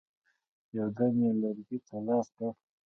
یو دم یې لرګي ته لاس کړ.